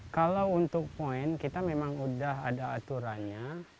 kalau untuk poin kita memang udah ada aturannya